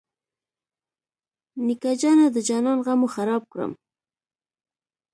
نیکه جانه د جانان غمو خراب کړم.